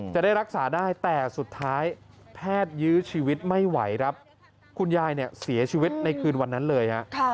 จะได้รักษาได้แต่สุดท้ายแพทยื้อชีวิตไม่ไหวครับคุณยายเนี่ยเสียชีวิตในคืนวันนั้นเลยฮะ